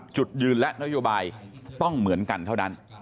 จุดยืนและนโยบายต้องเหมือนกันเท่านั้น